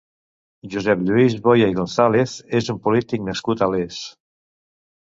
Josep Lluís Boya i González és un polític nascut a Les.